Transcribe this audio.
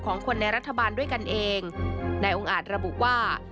ของคนในรัฐบาลด้วยกันเองนายองค์อาจระบุว่า